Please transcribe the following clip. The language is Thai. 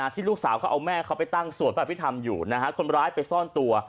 ที่ลูกสาวเขาเอาแม่เขาไปตั้งส่วนแบบพิธรรมอยู่คนร้ายไปซ่อนตัว